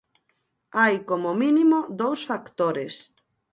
Hai como mínimo dous factores.